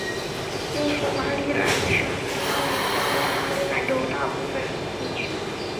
英属马里兰省相当于现在马里兰州的大部分地区。